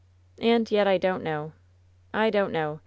And yet I don't Imow — ^I don't know.